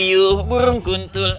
iyuh burung kuntul